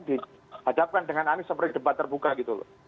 dihadapkan dengan anies seperti debat terbuka gitu loh